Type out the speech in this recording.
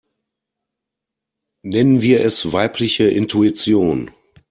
Nennen wir es weibliche Intuition.